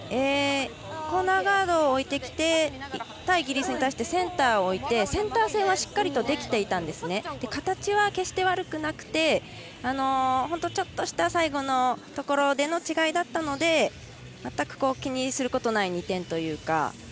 コーナーガードを置いてきたイギリスに対してセンターを置いてセンター線はしっかりできていたんですが形は決して悪くなくて本当ちょっとした最後のところでの違いだったので全く気にすることない２点というか。